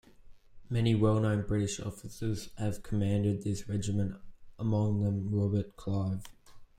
Many well-known British officers have commanded this regiment, among them Robert Clive.